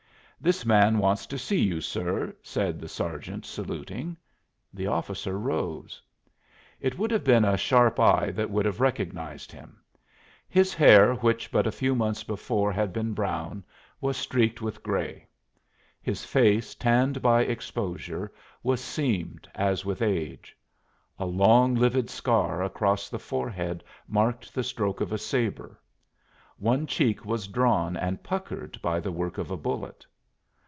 "This man wants to see you, sir," said the sergeant, saluting. The officer rose. It would have been a sharp eye that would have recognized him. His hair, which but a few months before had been brown, was streaked with gray. His face, tanned by exposure, was seamed as with age. A long livid scar across the forehead marked the stroke of a sabre; one cheek was drawn and puckered by the work of a bullet.